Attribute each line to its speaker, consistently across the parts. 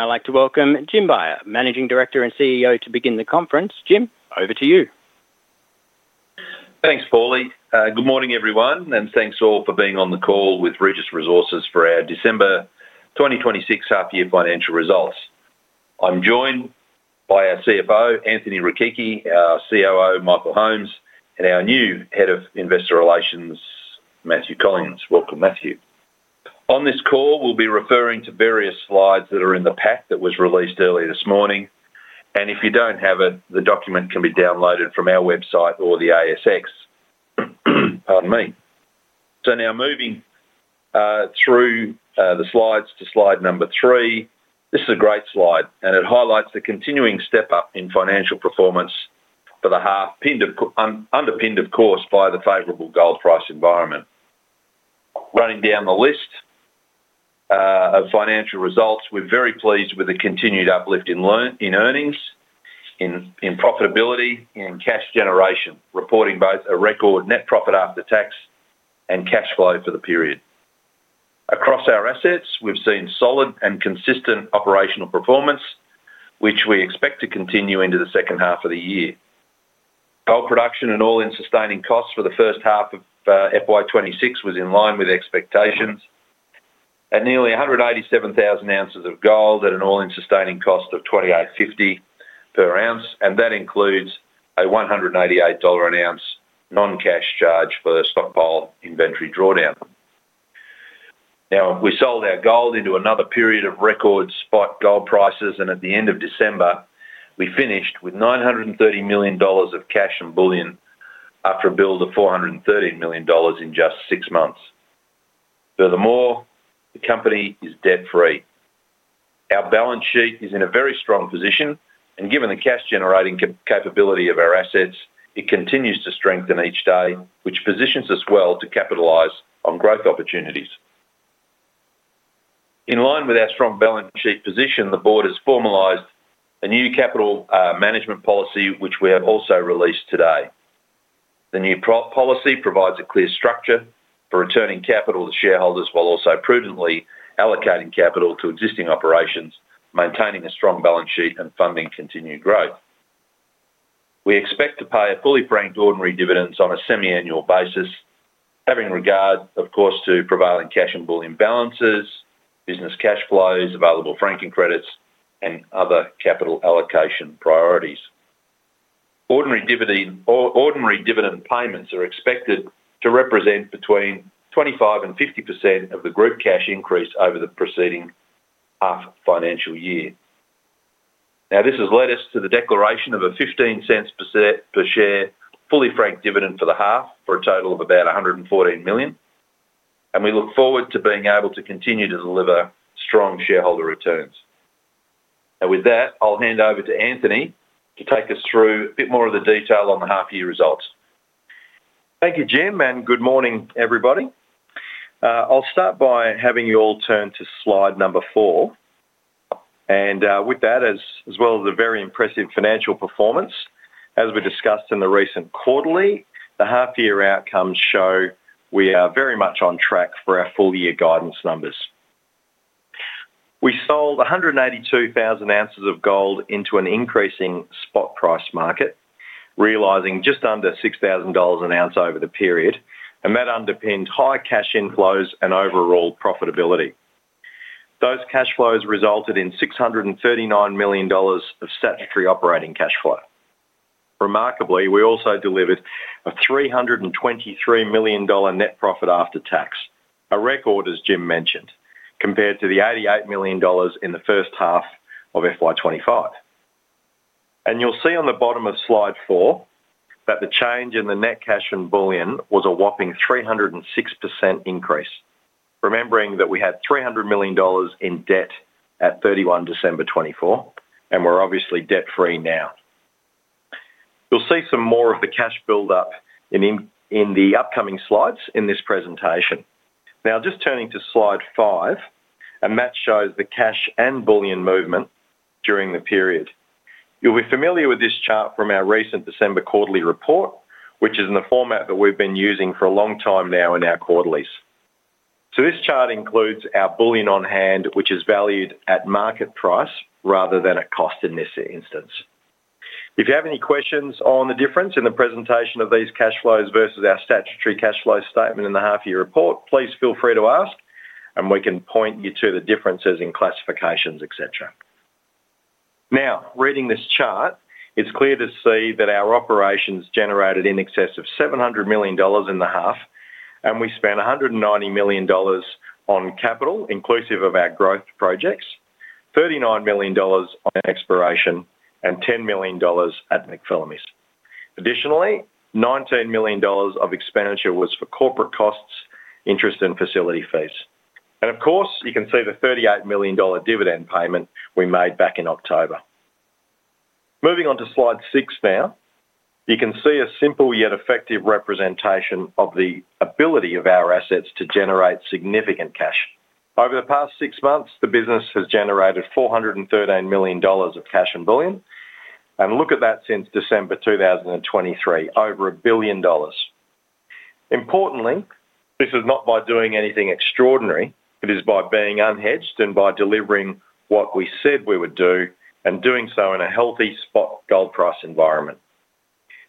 Speaker 1: I'd like to welcome Jim Beyer, Managing Director and CEO, to begin the conference. Jim, over to you.
Speaker 2: Thanks, Paulie. Good morning, everyone, and thanks all for being on the call with Regis Resources for our December 2026 half year financial results. I'm joined by our CFO, Anthony Rechichi, our COO, Michael Holmes, and our new Head of Investor Relations, Matthew Collins. Welcome, Matthew. On this call, we'll be referring to various slides that are in the pack that was released earlier this morning, and if you don't have it, the document can be downloaded from our website or the ASX. Pardon me. So now moving through the slides to slide number 3. This is a great slide, and it highlights the continuing step up in financial performance for the half year, underpinned, of course, by the favorable gold price environment. Running down the list of financial results, we're very pleased with the continued uplift in earnings, in profitability and cash generation, reporting both a record net profit after tax and cash flow for the period. Across our assets, we've seen solid and consistent operational performance, which we expect to continue into the second half of the year. Gold production and all-in sustaining costs for the first half of FY 2026 was in line with expectations. At nearly 187,000 ounces of gold at an all-in sustaining cost of 2,850 per ounce, and that includes a 188 dollar an ounce non-cash charge for stockpile inventory drawdown. Now, we sold our gold into another period of record spot gold prices, and at the end of December, we finished with 930 million dollars of cash and bullion, after a build of 413 million dollars in just six months. Furthermore, the company is debt-free. Our balance sheet is in a very strong position, and given the cash-generating capability of our assets, it continues to strengthen each day, which positions us well to capitalize on growth opportunities. In line with our strong balance sheet position, the board has formalized a new capital management policy, which we have also released today. The new policy provides a clear structure for returning capital to shareholders, while also prudently allocating capital to existing operations, maintaining a strong balance sheet and funding continued growth. We expect to pay a fully franked ordinary dividend on a semiannual basis, having regard, of course, to prevailing cash and bullion balances, business cash flows, available franking credits and other capital allocation priorities. Ordinary dividend, or ordinary dividend payments are expected to represent between 25% and 50% of the group cash increase over the preceding half financial year. Now, this has led us to the declaration of 0.15 per share, fully franked dividend for the half, for a total of about 114 million, and we look forward to being able to continue to deliver strong shareholder returns. With that, I'll hand over to Anthony to take us through a bit more of the detail on the half year results.
Speaker 3: Thank you, Jim, and good morning, everybody. I'll start by having you all turn to slide number 4, and with that, as well as a very impressive financial performance, as we discussed in the recent quarterly, the half year outcomes show we are very much on track for our full-year guidance numbers. We sold 182,000 ounces of gold into an increasing spot price market, realizing just under 6,000 dollars an ounce over the period, and that underpinned high cash inflows and overall profitability. Those cash flows resulted in 639 million dollars of statutory operating cash flow. Remarkably, we also delivered a AUD 323 million net profit after tax, a record, as Jim mentioned, compared to the AUD 88 million in the first half of FY 2025. You'll see on the bottom of slide 4 that the change in the net cash and bullion was a whopping 306% increase, remembering that we had 300 million dollars in debt at December 31st, 2024, and we're obviously debt-free now. You'll see some more of the cash build-up in the upcoming slides in this presentation. Now, just turning to slide 5, and that shows the cash and bullion movement during the period. You'll be familiar with this chart from our recent December quarterly report, which is in the format that we've been using for a long time now in our quarterlies. So this chart includes our bullion on hand, which is valued at market price rather than at cost in this instance. If you have any questions on the difference in the presentation of these cash flows versus our statutory cash flow statement in the half year report, please feel free to ask, and we can point you to the differences in classifications, etc. Now, reading this chart, it's clear to see that our operations generated in excess of 700 million dollars in the half, and we spent 190 million dollars on capital, inclusive of our growth projects, 39 million dollars on exploration and 10 million dollars at McPhillamys. Additionally, 19 million dollars of expenditure was for corporate costs, interest and facility fees. Of course, you can see the 38 million dollar dividend payment we made back in October. Moving on to slide 6 now. You can see a simple yet effective representation of the ability of our assets to generate significant cash. Over the past six months, the business has generated 413 million dollars of cash and bullion, and look at that, since December 2023, over 1 billion dollars. Importantly, this is not by doing anything extraordinary, it is by being unhedged and by delivering what we said we would do, and doing so in a healthy spot gold price environment.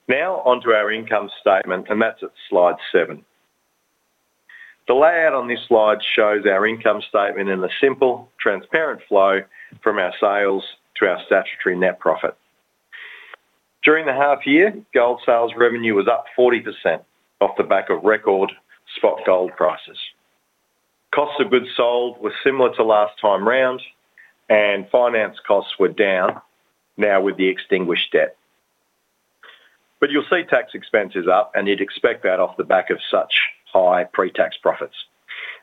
Speaker 3: Now, onto our income statement, and that's at slide 7. The layout on this slide shows our income statement in a simple, transparent flow from our sales to our statutory net profit. During the half year, gold sales revenue was up 40% off the back of record spot gold prices. Cost of goods sold was similar to last time round, and finance costs were down now with the extinguished debt. But you'll see tax expense is up, and you'd expect that off the back of such high pre-tax profits.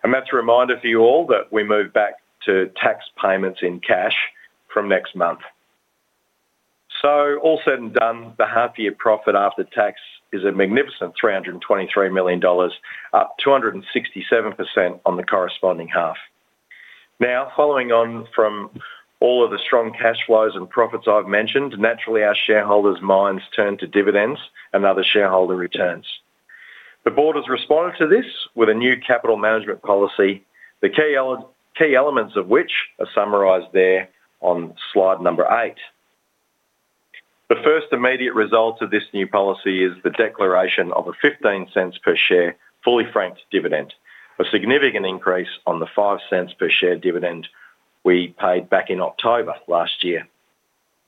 Speaker 3: And that's a reminder for you all that we move back to tax payments in cash from next month. So all said and done, the half year profit after tax is a magnificent 323 million dollars, up 267% on the corresponding half. Now, following on from all of the strong cash flows and profits I've mentioned, naturally, our shareholders' minds turn to dividends and other shareholder returns. The board has responded to this with a new capital management policy, the key elements of which are summarized there on slide 8. The first immediate result of this new policy is the declaration of a 0.15 per share, fully franked dividend, a significant increase on the 0.05 per share dividend we paid back in October last year.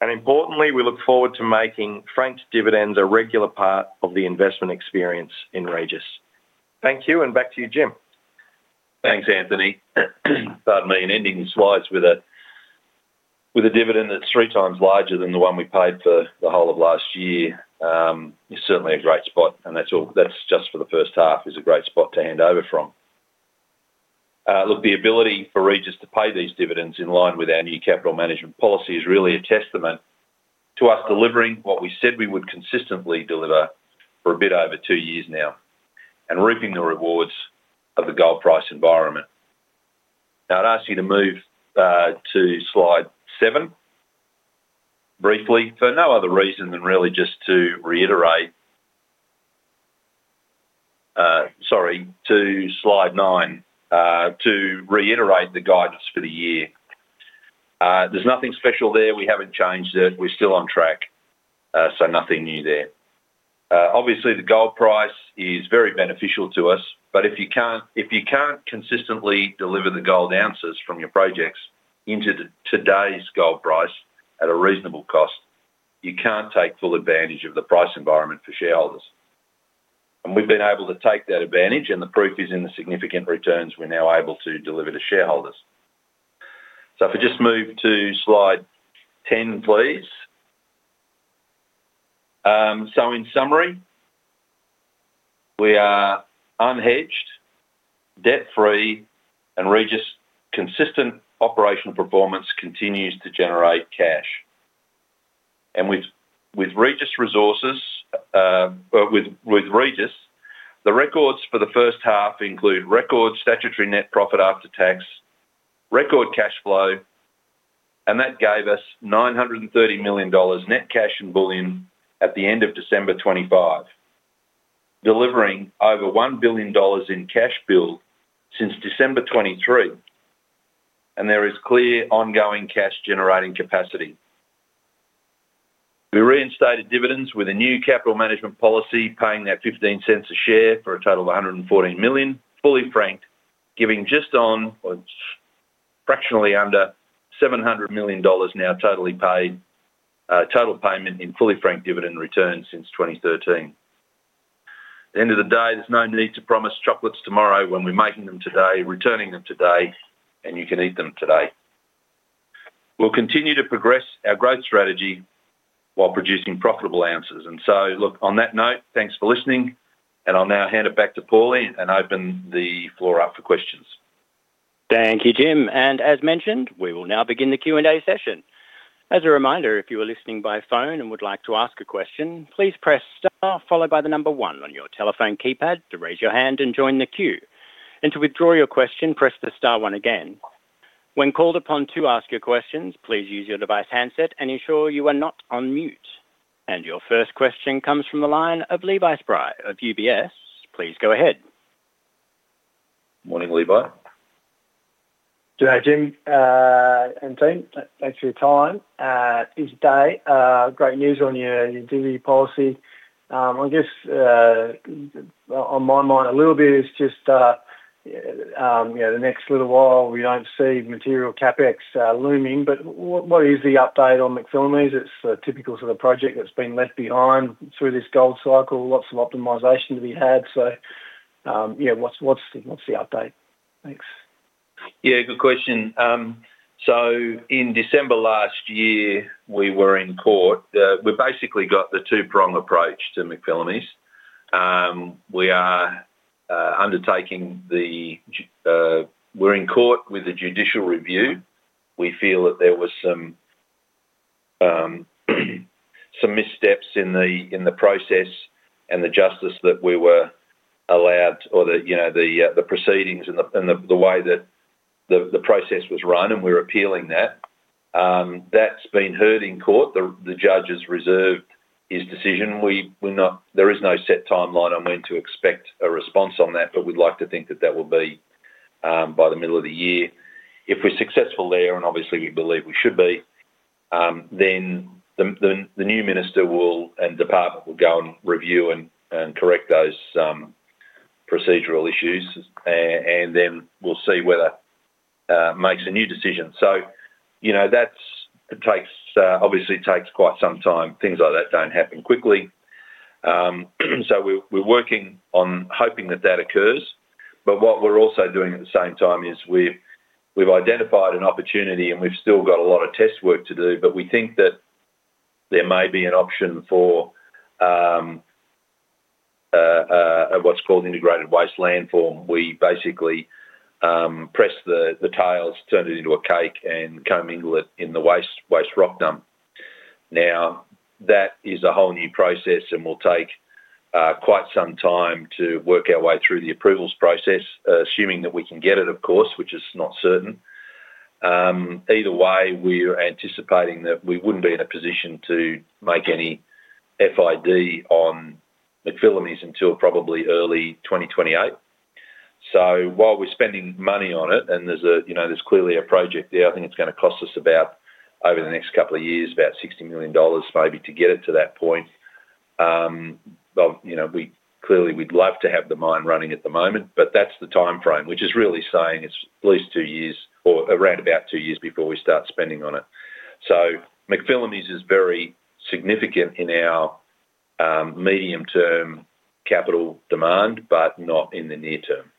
Speaker 3: Importantly, we look forward to making franked dividends a regular part of the investment experience in Regis. Thank you, and back to you, Jim.
Speaker 2: Thanks, Anthony. Pardon me. Ending the slides with a dividend that's three times larger than the one we paid for the whole of last year is certainly a great spot, and that's just for the first half, a great spot to hand over from. Look, the ability for Regis to pay these dividends in line with our new capital management policy is really a testament to us delivering what we said we would consistently deliver for a bit over two years now, and reaping the rewards of the gold price environment. Now, I'd ask you to move to slide 7, briefly, for no other reason than really just to reiterate. Sorry, to slide 9, to reiterate the guidance for the year. There's nothing special there. We haven't changed it. We're still on track, so nothing new there. Obviously, the gold price is very beneficial to us, but if you can't consistently deliver the gold ounces from your projects into today's gold price at a reasonable cost, you can't take full advantage of the price environment for shareholders. We've been able to take that advantage, and the proof is in the significant returns we're now able to deliver to shareholders. So if we just move to slide 10, please. In summary, we are unhedged, debt-free, and Regis' consistent operational performance continues to generate cash. With Regis Resources, the records for the first half include record statutory net profit after tax, record cash flow, and that gave us 930 million dollars net cash and bullion at the end of December 2025, delivering over 1 billion dollars in cash build since December 2023, and there is clear ongoing cash-generating capacity. We reinstated dividends with a new capital management policy, paying that 0.15 a share for a total of 114 million, fully franked, giving just on, or fractionally under, 700 million dollars now totally paid, total payment in fully franked dividend returns since 2013. At the end of the day, there's no need to promise chocolates tomorrow when we're making them today, returning them today, and you can eat them today. We'll continue to progress our growth strategy while producing profitable ounces. Look, on that note, thanks for listening, and I'll now hand it back to Paulie and open the floor up for questions.
Speaker 1: Thank you, Jim. As mentioned, we will now begin the Q&A session. As a reminder, if you are listening by phone and would like to ask a question, please press star, followed by the number one on your telephone keypad to raise your hand and join the queue. To withdraw your question, press the star one again. When called upon to ask your questions, please use your device handset and ensure you are not on mute. Your first question comes from the line of Levi Spry of UBS. Please go ahead.
Speaker 2: Morning, Levi.
Speaker 4: Good day, Jim, and team. Thanks for your time this day. Great news on your, your dividend policy. I guess, on my mind a little bit is just, you know, the next little while, we don't see material CapEx looming, but what, what is the update on McPhillamys? It's typical to the project that's been left behind through this gold cycle. Lots of optimization to be had. So, yeah, what's the update? Thanks.
Speaker 2: Yeah, good question. So in December last year, we were in court. We basically got the two-prong approach to McPhillamys. We are undertaking—we're in court with a judicial review. We feel that there was some missteps in the process and the justice that we were allowed or, you know, the proceedings and the way that the process was run and we're appealing that. That's been heard in court. The judge has reserved his decision. We're not. There is no set timeline on when to expect a response on that, but we'd like to think that that will be by the middle of the year. If we're successful there, and obviously, we believe we should be, then the new minister and department will go and review and correct those procedural issues, and then we'll see whether makes a new decision. So, you know, that's it takes, obviously, quite some time. Things like that don't happen quickly. So we're working on hoping that that occurs. But what we're also doing at the same time is we've identified an opportunity, and we've still got a lot of test work to do, but we think that there may be an option for what's called integrated waste landform. We basically press the tails, turn it into a cake, and co-mingle it in the waste rock dump. Now, that is a whole new process and will take quite some time to work our way through the approvals process, assuming that we can get it, of course, which is not certain. Either way, we're anticipating that we wouldn't be in a position to make any FID on McPhillamys until probably early 2028. So while we're spending money on it, and there's a, you know, there's clearly a project there, I think it's gonna cost us about, over the next couple of years, about 60 million dollars maybe to get it to that point. Well, you know, we clearly we'd love to have the mine running at the moment, but that's the timeframe, which is really saying it's at least two years or around about two years before we start spending on it. So McPhillamys is very significant in our medium-term capital demand, but not in the near term.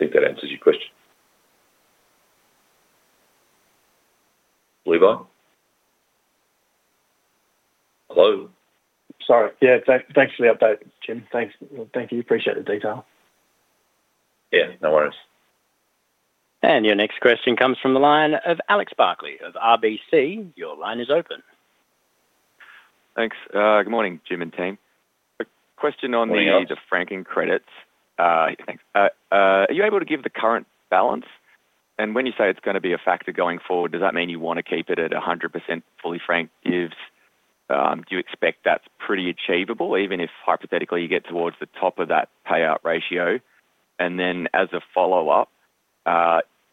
Speaker 2: I think that answers your question. Levi? Hello?
Speaker 4: Sorry. Yeah, thanks for the update, Jim. Thanks. Thank you. Appreciate the detail.
Speaker 2: Yeah, no worries.
Speaker 1: Your next question comes from the line of Alex Barkley of RBC. Your line is open.
Speaker 5: Thanks. Good morning, Jim and team. A question on the-
Speaker 2: Morning, Alex.
Speaker 5: -use of franking credits. Yeah, thanks. Are you able to give the current balance? And when you say it's gonna be a factor going forward, does that mean you want to keep it at 100% fully franked div...? Do you expect that's pretty achievable, even if hypothetically, you get towards the top of that payout ratio? And then as a follow-up,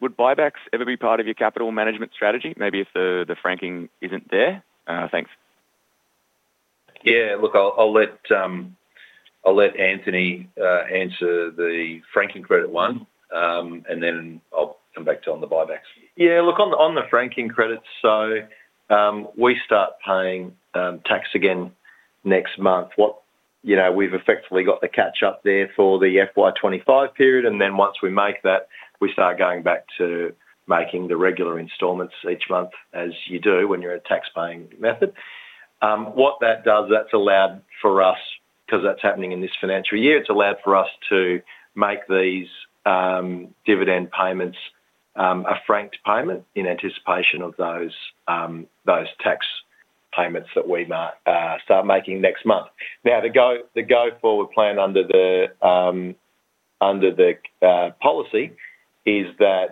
Speaker 5: would buybacks ever be part of your capital management strategy? Maybe if the franking isn't there. Thanks.
Speaker 2: Yeah, look, I'll let Anthony answer the franking credit one, and then I'll come back to on the buybacks.
Speaker 3: Yeah, look, on the franking credits, so, we start paying tax again next month. You know, we've effectively got the catch up there for the FY 2025 period, and then once we make that, we start going back to making the regular installments each month, as you do when you're a tax-paying method. What that does, that's allowed for us, 'cause that's happening in this financial year, it's allowed for us to make these dividend payments, a franked payment in anticipation of those tax payments that we might start making next month. Now, the go-forward plan under the policy is that,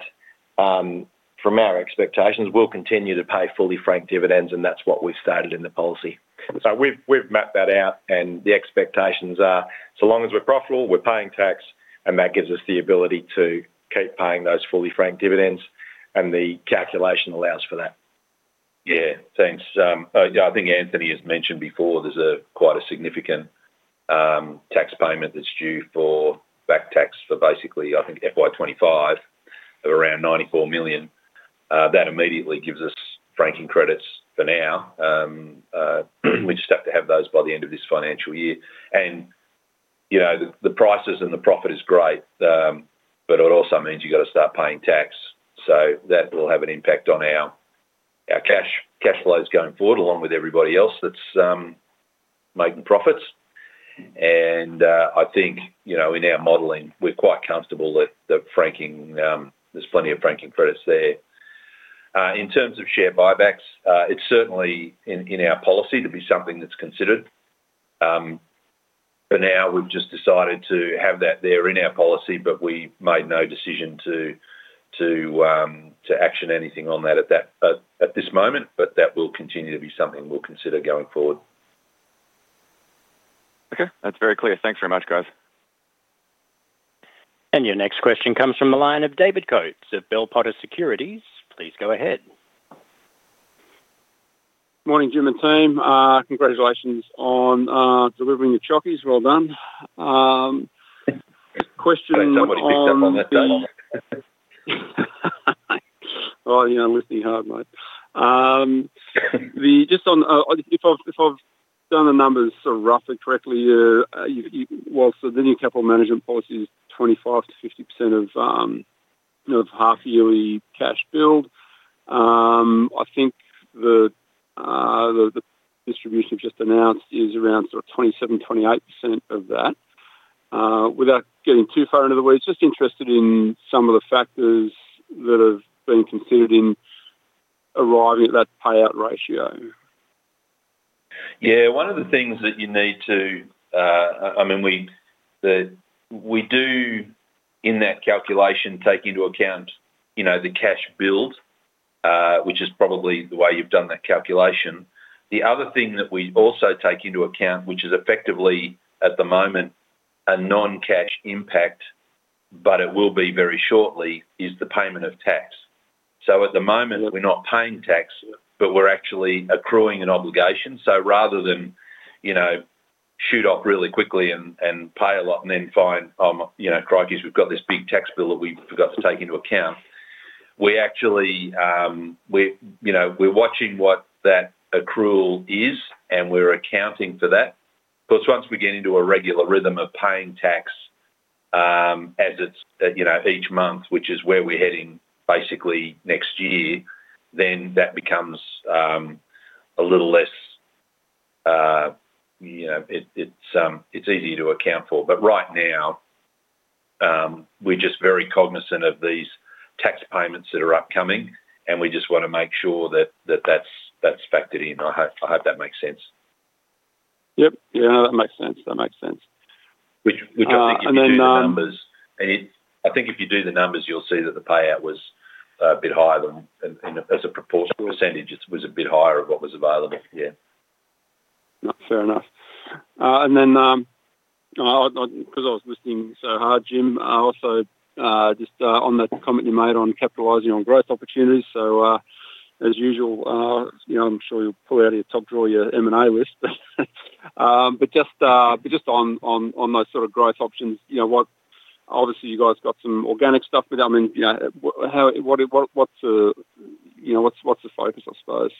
Speaker 3: from our expectations, we'll continue to pay fully franked dividends, and that's what we've stated in the policy. So we've mapped that out, and the expectations are so long as we're profitable, we're paying tax, and that gives us the ability to keep paying those fully franked dividends, and the calculation allows for that.
Speaker 2: Yeah. Thanks. I think Anthony has mentioned before, there's quite a significant tax payment that's due for back tax for basically, I think, FY 2025 of around 94 million. That immediately gives us franking credits for now. We just have to have those by the end of this financial year. And, you know, the prices and the profit is great, but it also means you got to start paying tax. So that will have an impact on our cash flows going forward, along with everybody else that's making profits. And, I think, you know, in our modeling, we're quite comfortable that the franking, there's plenty of franking credits there. In terms of share buybacks, it's certainly in our policy to be something that's considered. For now, we've just decided to have that there in our policy, but we made no decision to action anything on that at this moment, but that will continue to be something we'll consider going forward.
Speaker 5: Okay, that's very clear. Thanks very much, guys.
Speaker 1: Your next question comes from the line of David Coates of Bell Potter Securities. Please go ahead.
Speaker 6: Morning, Jim and team. Congratulations on delivering the chockies. Well done. Question on the-
Speaker 2: Somebody picked up on that, don't they?
Speaker 6: Oh, yeah, I'm listening hard, mate. Just on, if I've done the numbers sort of roughly correctly, well, so the new capital management policy is 25%-50% of, you know, half yearly cash build. I think the distribution just announced is around sort of 27%-28% of that. Without getting too far into the weeds, just interested in some of the factors that have been considered in arriving at that payout ratio?
Speaker 2: Yeah, one of the things that you need to, I mean, we do in that calculation, take into account, you know, the cash build, which is probably the way you've done that calculation. The other thing that we also take into account, which is effectively at the moment, a non-cash impact, but it will be very shortly, is the payment of tax. At the moment, we're not paying tax, but we're actually accruing an obligation. Rather than, you know, shoot off really quickly and pay a lot and then find, you know, crikeys, we've got this big tax bill that we forgot to take into account. We actually, we, you know, we're watching what that accrual is, and we're accounting for that. Because once we get into a regular rhythm of paying tax, as it's, you know, each month, which is where we're heading basically next year, then that becomes a little less, you know, it's easier to account for. But right now, we're just very cognizant of these tax payments that are upcoming, and we just want to make sure that that's factored in. I hope that makes sense.
Speaker 6: Yep. Yeah, that makes sense. That makes sense.
Speaker 2: Which I think, if you do the numbers, you'll see that the payout was a bit higher than, as a proportional percentage, it was a bit higher of what was available. Yeah.
Speaker 6: No, fair enough. 'Cause I was listening so hard, Jim, also, just on that comment you made on capitalizing on growth opportunities. So, as usual, you know, I'm sure you'll pull out your top, draw your M&A list, but just, but just on, on, on those sort of growth options, you know what? Obviously, you guys got some organic stuff, but I mean, what's the focus, I suppose?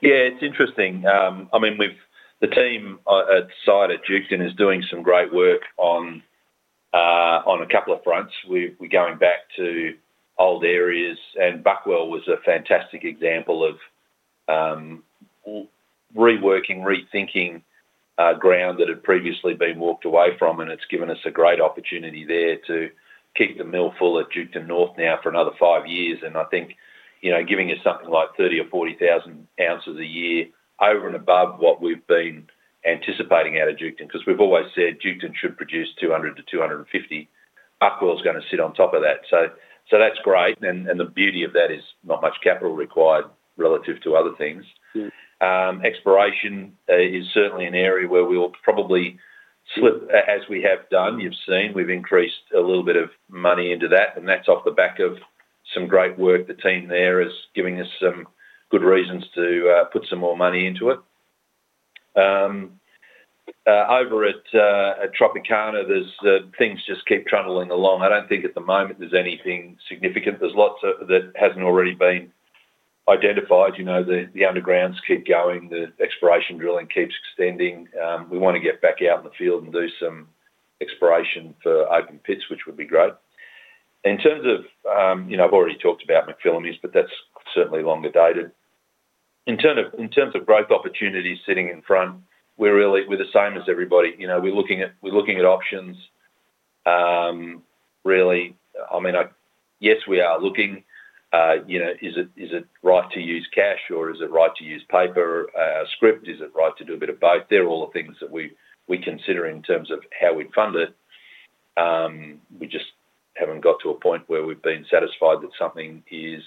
Speaker 2: Yeah, it's interesting. I mean, we've The team at site at Duketon is doing some great work on a couple of fronts. We're going back to old areas, and Buckwell was a fantastic example of reworking, rethinking ground that had previously been walked away from, and it's given us a great opportunity there to keep the mill full at Duketon North now for another five years. And I think, you know, giving us something like 30,000 or 40,000 ounces a year over and above what we've been anticipating out of Duketon, 'cause we've always said Duketon should produce 200-250. Buckwell is gonna sit on top of that. So that's great, and the beauty of that is not much capital required relative to other things. Exploration is certainly an area where we will probably slip, as we have done. You've seen, we've increased a little bit of money into that, and that's off the back of some great work. The team there is giving us some good reasons to put some more money into it. Over at Tropicana, there's things just keep trundling along. I don't think at the moment there's anything significant. There's lots that hasn't already been identified. You know, the undergrounds keep going, the exploration drilling keeps extending. We want to get back out in the field and do some exploration for open pits, which would be great. In terms of, you know, I've already talked about McPhillamys, but that's certainly longer dated. In terms of growth opportunities sitting in front, we're really, we're the same as everybody. You know, we're looking at, we're looking at options. Really, I mean, yes, we are looking, you know, is it right to use cash, or is it right to use paper, scrip? Is it right to do a bit of both? They're all the things that we, we consider in terms of how we'd fund it. We just haven't got to a point where we've been satisfied that something is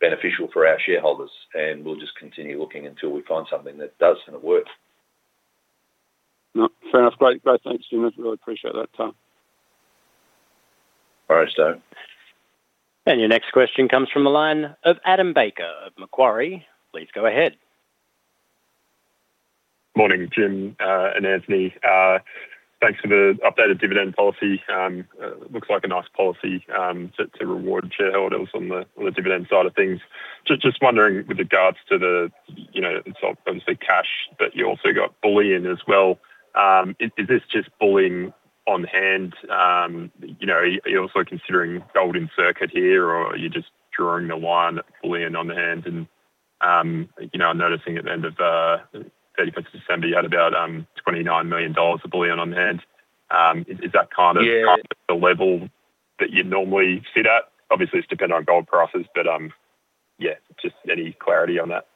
Speaker 2: beneficial for our shareholders, and we'll just continue looking until we find something that does and it works.
Speaker 6: No, fair enough. Great. Thanks, Jim. I really appreciate that.
Speaker 2: All right, so.
Speaker 1: Your next question comes from the line of Adam Baker of Macquarie. Please go ahead.
Speaker 7: Morning, Jim, and Anthony. Thanks for the updated dividend policy. Looks like a nice policy to reward shareholders on the dividend side of things. Just wondering with regards to the, you know, obviously cash, but you also got bullion as well. Is this just bullion on hand? You know, are you also considering gold in circuit here, or are you just drawing the line at bullion on hand and, you know, I'm noticing at the end of December 31st, you had about, 29 million dollars of bullion on hand. Is that kind of the level that you'd normally sit at? Obviously, it’s dependent on gold prices, but, yeah, just any clarity on that.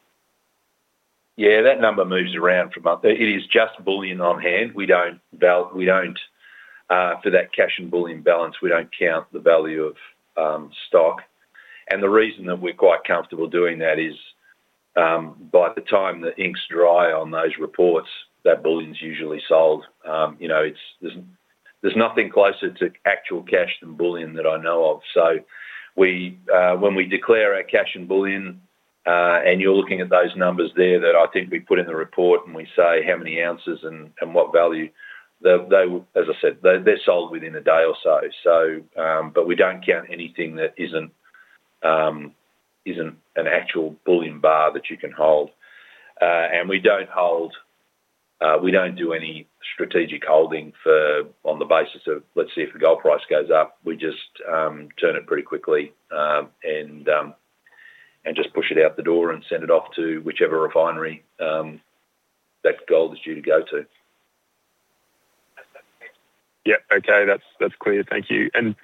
Speaker 2: Yeah, that number moves around from up there. It is just bullion on hand. We don't, for that cash and bullion balance, we don't count the value of stock. And the reason that we're quite comfortable doing that is, by the time the ink's dry on those reports, that bullion's usually sold. You know, it's, there's nothing closer to actual cash than bullion that I know of. So we, when we declare our cash and bullion, and you're looking at those numbers there that I think we put in the report, and we say, how many ounces and what value, they, as I said, they're sold within a day or so. So, but we don't count anything that isn't an actual bullion bar that you can hold. And we don't hold. We don't do any strategic holding for on the basis of, let's see if the gold price goes up. We just turn it pretty quickly and just push it out the door and send it off to whichever refinery that gold is due to go to.
Speaker 7: Yeah, okay, that's, that's clear. Thank you. And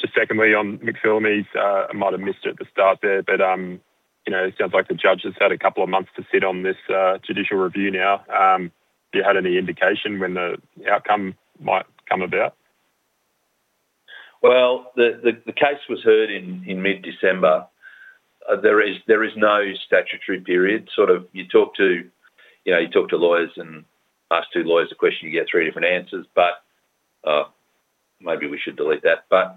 Speaker 7: just secondly, on McPhillamys, I might have missed it at the start there, but, you know, it sounds like the judge has had a couple of months to sit on this judicial review now. Do you have any indication when the outcome might come about?
Speaker 2: Well, the case was heard in mid-December. There is no statutory period. Sort of you talk to, you know, you talk to lawyers and ask two lawyers a question, you get three different answers, but maybe we should delete that. But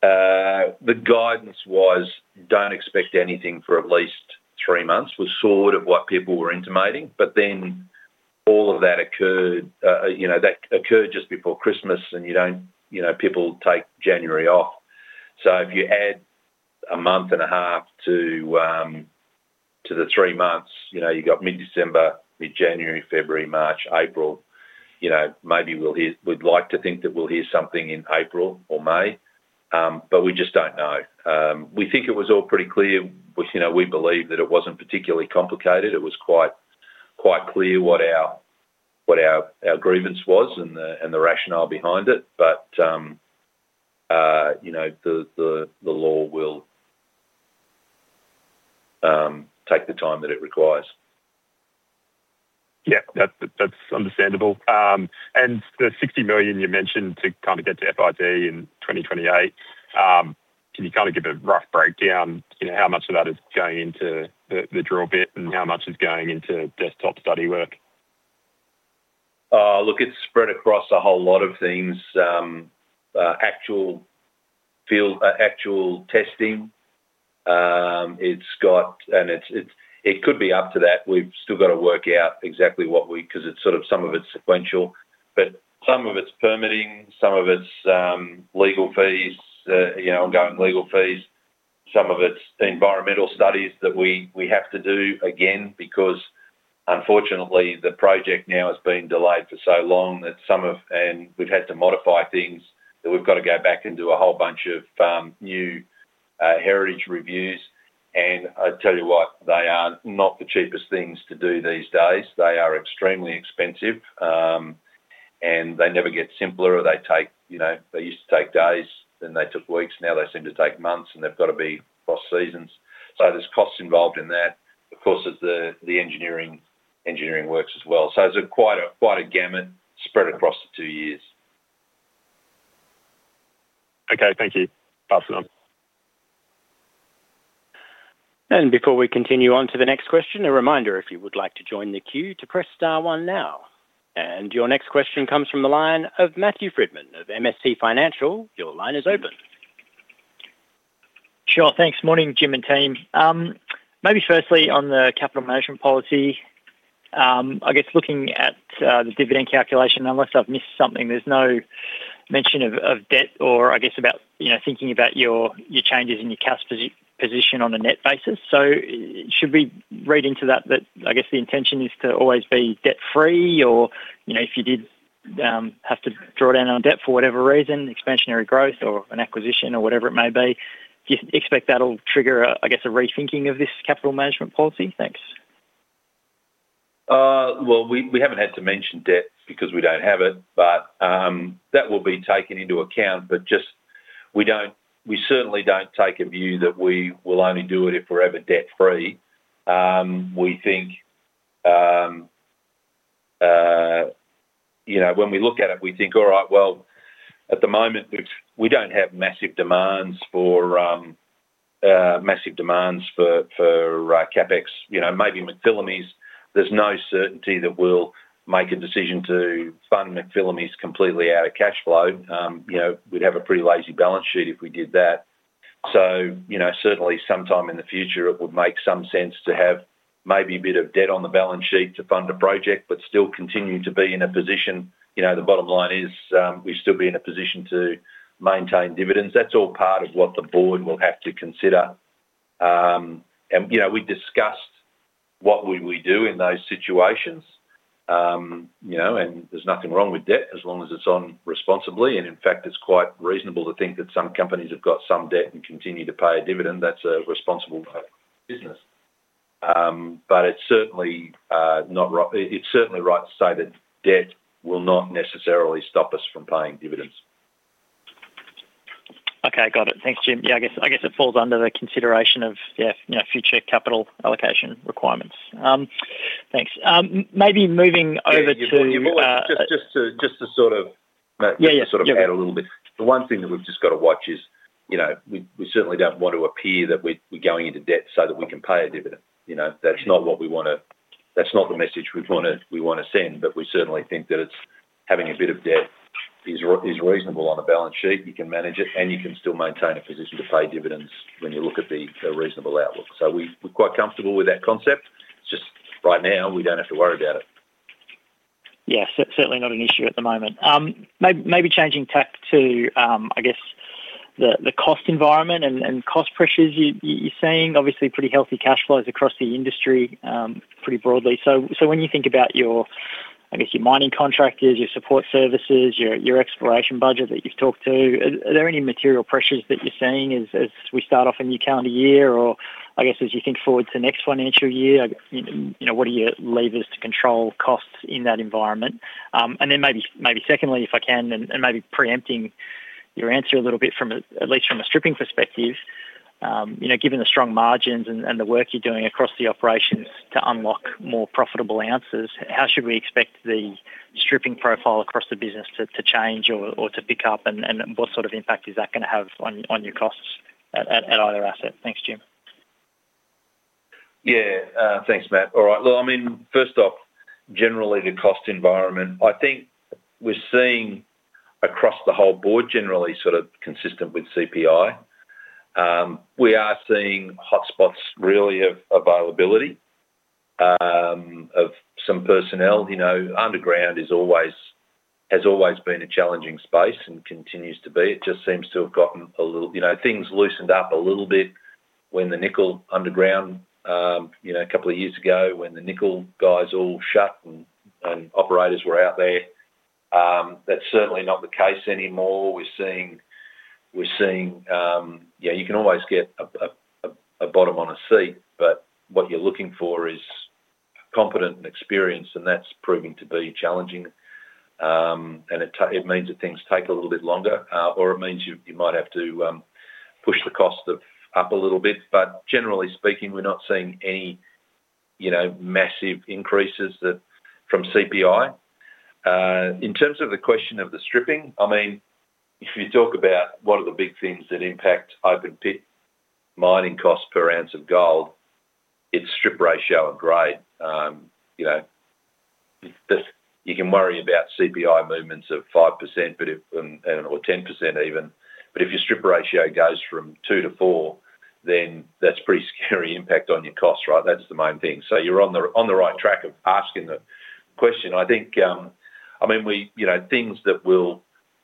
Speaker 2: the guidance was, don't expect anything for at least three months, was sort of what people were intimating. But then all of that occurred, you know, that occurred just before Christmas, and you don't. You know, people take January off. So if you add 1.5 months-3 months, you know, you got mid-December, mid-January, February, March, April, you know, maybe we'll hear-- we'd like to think that we'll hear something in April or May, but we just don't know. We think it was all pretty clear. We, you know, we believe that it wasn't particularly complicated. It was quite, quite clear what our grievance was and the rationale behind it, but, you know, the law will take the time that it requires.
Speaker 7: Yeah, that, that's understandable. And the 60 million you mentioned to kind of get to FID in 2028, can you kind of give a rough breakdown, you know, how much of that is going into the, the drill bit and how much is going into desktop study work?
Speaker 2: Look, it's spread across a whole lot of things. Actual field, actual testing. It could be up to that. We've still got to work out exactly what we-- 'cause it's sort of some of it's sequential, but some of it's permitting, some of it's legal fees, you know, ongoing legal fees. Some of it's environmental studies that we have to do again, because unfortunately, the project now has been delayed for so long that some of-- and we've had to modify things, that we've got to go back and do a whole bunch of new heritage reviews. And I tell you what, they are not the cheapest things to do these days. They are extremely expensive, and they never get simpler, or they take, you know, they used to take days, then they took weeks, now they seem to take months, and they've got to be cross-seasons. So there's costs involved in that. Of course, there's the engineering works as well. So it's quite a gamut spread across the two years.
Speaker 7: Okay, thank you. Awesome.
Speaker 1: Before we continue on to the next question, a reminder, if you would like to join the queue, to press star one now. And your next question comes from the line of Matthew Frydman of MST Financial. Your line is open.
Speaker 8: Sure, thanks. Morning, Jim and team. Maybe firstly, on the capital management policy, I guess looking at the dividend calculation, unless I've missed something, there's no mention of debt or I guess about, you know, thinking about your changes in your cash position on a net basis. So should we read into that, I guess the intention is to always be debt-free, or, you know, if you did have to draw down on debt for whatever reason, expansionary growth or an acquisition or whatever it may be, do you expect that'll trigger, I guess, a rethinking of this capital management policy? Thanks.
Speaker 2: Well, we haven't had to mention debt because we don't have it, but that will be taken into account. But just we don't, we certainly don't take a view that we will only do it if we're ever debt-free. We think, you know, when we look at it, we think, all right, well, at the moment, we don't have massive demands for CapEx. You know, maybe McPhillamys, there's no certainty that we'll make a decision to fund McPhillamys completely out of cash flow. You know, we'd have a pretty lazy balance sheet if we did that. So, you know, certainly sometime in the future, it would make some sense to have maybe a bit of debt on the balance sheet to fund a project, but still continue to be in a position, you know, the bottom line is, we'd still be in a position to maintain dividends. That's all part of what the board will have to consider. You know, we discussed what would we do in those situations. You know, and there's nothing wrong with debt as long as it's on responsibly, and in fact, it's quite reasonable to think that some companies have got some debt and continue to pay a dividend. That's a responsible business. But it's certainly not wrong—it's certainly right to say that debt will not necessarily stop us from paying dividends.
Speaker 8: Okay, got it. Thanks, Jim. Yeah, I guess, I guess it falls under the consideration of, yeah, you know, future capital allocation requirements. Thanks. Maybe moving over to,
Speaker 2: Just sort of add a little bit. The one thing that we've just got to watch is, you know, we certainly don't want to appear that we're going into debt so that we can pay a dividend. You know, that's not what we want to. That's not the message we want to send, but we certainly think that it's having a bit of debt is reasonable on a balance sheet. You can manage it, and you can still maintain a position to pay dividends when you look at the reasonable outlook. So we're quite comfortable with that concept. Just right now, we don't have to worry about it.
Speaker 8: Yeah, certainly not an issue at the moment. Maybe changing tack to, I guess, the cost environment and cost pressures you're seeing, obviously pretty healthy cash flows across the industry pretty broadly. So when you think about your, I guess, your mining contractors, your support services, your exploration budget that you've talked to, are there any material pressures that you're seeing as we start off a new calendar year, or I guess, as you think forward to next financial year, you know, what are your levers to control costs in that environment? And then maybe secondly, if I can, and maybe preempting your answer a little bit from at least from a stripping perspective, you know, given the strong margins and the work you're doing across the operations to unlock more profitable answers, how should we expect the stripping profile across the business to change or to pick up? And what sort of impact is that gonna have on your costs at either asset? Thanks, Jim.
Speaker 2: Yeah, thanks, Matt. All right. Well, I mean, first off, generally, the cost environment, I think we're seeing across the whole board, generally sort of consistent with CPI. We are seeing hotspots really of availability of some personnel. You know, underground is always, has always been a challenging space and continues to be. It just seems to have gotten a little, you know, things loosened up a little bit when the nickel underground, you know, a couple of years ago, when the nickel guys all shut and operators were out there. That's certainly not the case anymore. We're seeing, yeah, you can always get a bottom on a seat, but what you're looking for is competent and experienced, and that's proving to be challenging. And it means that things take a little bit longer, or it means you, you might have to push the cost of up a little bit, but generally speaking, we're not seeing any, you know, massive increases than from CPI. In terms of the question of the stripping, I mean, if you talk about what are the big things that impact open pit mining cost per ounce of gold, it's strip ratio and grade. You know, that you can worry about CPI movements of 5%, but if, and, and/or 10% even, but if your strip ratio goes from 2 to 4, then that's pretty scary impact on your cost, right? That's the main thing. So you're on the, on the right track of asking the question. I think, I mean, we, you know, things that will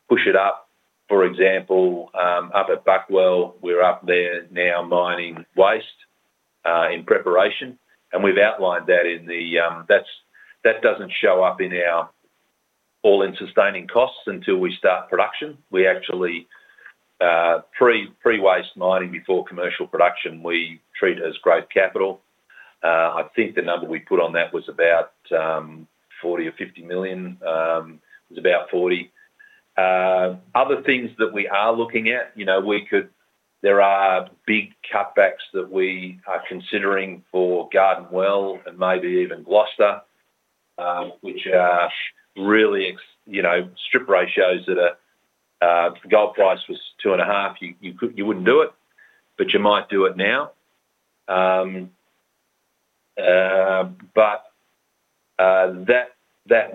Speaker 2: push it up, for example, up at Buckwell, we're up there now mining waste in preparation, and we've outlined that in the, that's, that doesn't show up in our all-in sustaining costs until we start production. We actually pre, pre-waste mining before commercial production, we treat as great capital. I think the number we put on that was about 40 million or 50 million, it was about 40 million. Other things that we are looking at, you know, we could, there are big cutbacks that we are considering for Garden Well and maybe even Gloster, which are really ex, you know, strip ratios that are, if the gold price was two and a half, you, you could, you wouldn't do it, but you might do it now. But that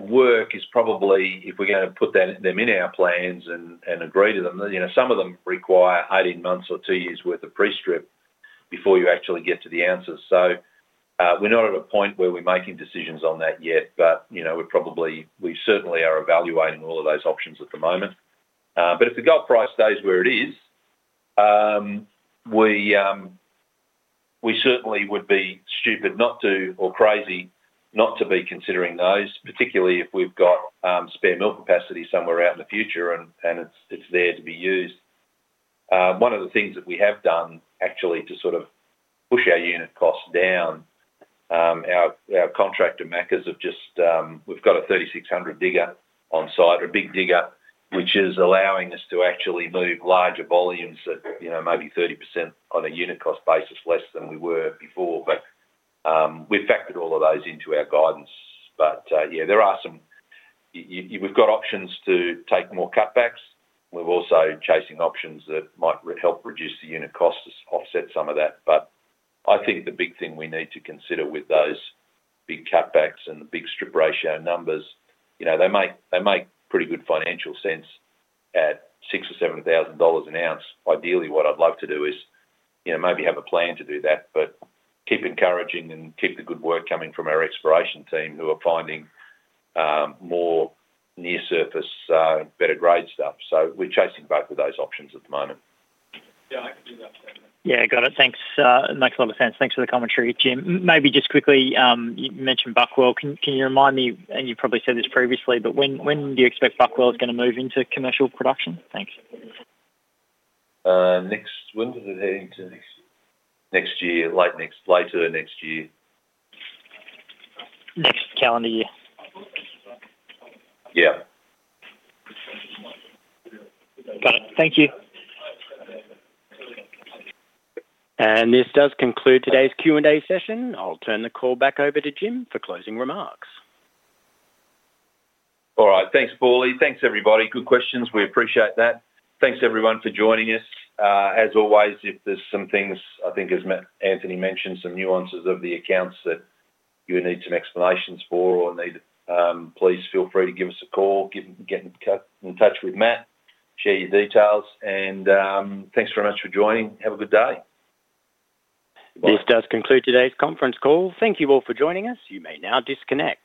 Speaker 2: work is probably if we're gonna put them in our plans and agree to them, you know, some of them require 18 months or two years worth of pre-strip before you actually get to the answers. So, we're not at a point where we're making decisions on that yet, but, you know, we're probably, we certainly are evaluating all of those options at the moment. But if the gold price stays where it is, we certainly would be stupid not to, or crazy not to be considering those, particularly if we've got spare mill capacity somewhere out in the future and it's there to be used. One of the things that we have done, actually, to sort of push our unit costs down, our contractor, MACA, have just, we've got a 3,600 digger on site, a big digger, which is allowing us to actually move larger volumes at, you know, maybe 30% on a unit cost basis less than we were before. But, we've factored all of those into our guidance. But yeah, there are some. We've got options to take more cutbacks. We're also chasing options that might help reduce the unit costs to offset some of that. But I think the big thing we need to consider with those big cutbacks and the big strip ratio numbers, you know, they make pretty good financial sense at 6,000-7,000 dollars an ounce. Ideally, what I'd love to do is, you know, maybe have a plan to do that, but keep encouraging and keep the good work coming from our exploration team, who are finding more near surface better grade stuff. So we're chasing both of those options at the moment.
Speaker 8: Yeah, got it. Thanks. Makes a lot of sense. Thanks for the commentary, Jim. Maybe just quickly, you mentioned Buckwell. Can you remind me, and you probably said this previously, but when do you expect Buckwell is gonna move into commercial production? Thanks.
Speaker 2: Next... When did it enter? Next, next year. Like next, later next year.
Speaker 8: Next calendar year?
Speaker 2: Yeah.
Speaker 8: Got it. Thank you.
Speaker 1: This does conclude today's Q&A session. I'll turn the call back over to Jim for closing remarks.
Speaker 2: All right. Thanks, Paulie. Thanks, everybody. Good questions, we appreciate that. Thanks, everyone, for joining us. As always, if there's some things, I think as Anthony mentioned, some nuances of the accounts that you need some explanations for or need, please feel free to give us a call, get in touch with Matt, share your details, and, thanks very much for joining. Have a good day.
Speaker 1: This does conclude today's conference call. Thank you all for joining us. You may now disconnect.